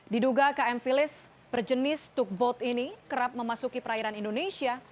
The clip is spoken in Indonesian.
diduga km filis berjenis tukboat ini kerap memasuki perairan indonesia